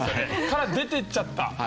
から出ていっちゃった。